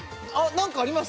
何かあります？